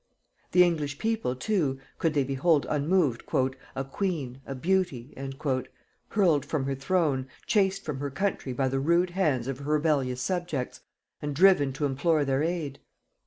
The English people too, could they behold unmoved "a queen, a beauty," hurled from her throne, chased from her country by the rude hands of her rebellious subjects, and driven to implore their aid?